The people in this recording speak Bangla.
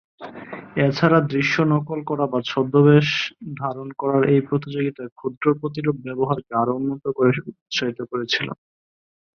এছাড়া দৃশ্য নকল করা বা ছদ্মবেশ ধারণ করার এই প্রতিযোগিতা ক্ষুদ্র প্রতিরূপ ব্যবহারকে আরও উন্নত করে উৎসাহিত করেছিল।